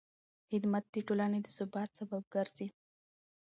خدمت د ټولنې د ثبات سبب ګرځي.